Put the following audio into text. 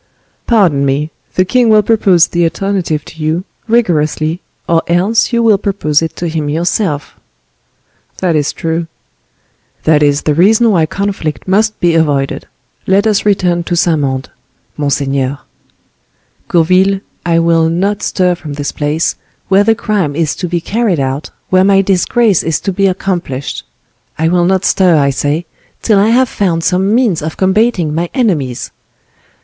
"Pardon me;—the king will propose the alternative to you, rigorously, or else you will propose it to him yourself." "That is true." "That is the reason why conflict must be avoided. Let us return to Saint Mande, monseigneur." "Gourville, I will not stir from this place, where the crime is to be carried out, where my disgrace is to be accomplished; I will not stir, I say, till I have found some means of combating my enemies."